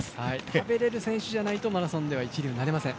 食べれる選手じゃないとマラソンでは一流になれません。